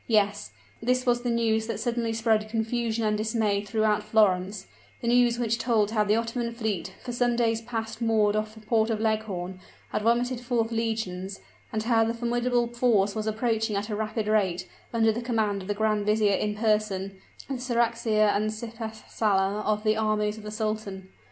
Yes; this was the news that suddenly spread confusion and dismay throughout Florence, the news which told how the Ottoman fleet, for some days past moored off the port of Leghorn, had vomited forth legions, and how the formidable force was approaching at a rapid rate, under the command of the grand vizier in person, the seraskier and sipehsalar of the armies of the sultan!